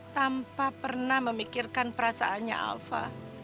tanpa pernah memikirkan perasaannya alfa